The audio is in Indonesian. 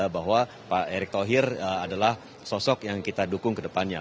bahwa pak erick thohir adalah sosok yang kita dukung ke depannya